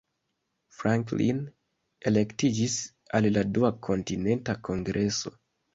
Franklin elektiĝis al la Dua Kontinenta Kongreso.